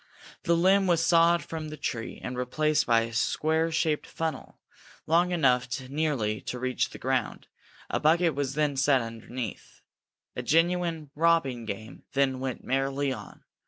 The limb was sawed from the tree and replaced by a square shaped funnel, long enough nearly to reach the ground; a bucket was then set underneath. A genuine robbing game then went merrily on.